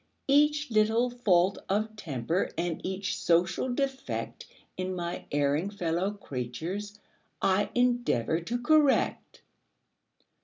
Each little fault of temper and each social defect In my erring fellow creatures, I endeavor to correct.